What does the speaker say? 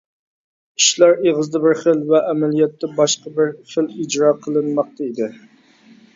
ئىشلار ئېغىزدا بىر خىل ۋە ئەمەلىيەتتە باشقا بىر خىل ئىجرا قىلىنماقتا ئىدى.